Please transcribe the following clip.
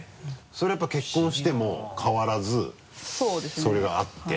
それやっぱ結婚しても変わらずそれがあって。